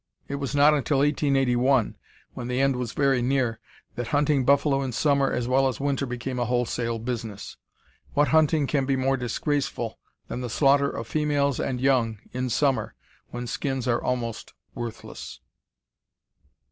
It was not until 1881, when the end was very near, that hunting buffalo in summer as well as winter became a wholesale business. What hunting can be more disgraceful than the slaughter of females and young in summer, when skins are almost worthless.